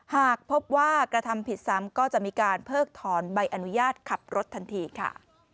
หากพบว่ากระทำผิดซ้ำก็จะมีการเพิกถอนใบอนุญาตขับรถทันทีค่ะ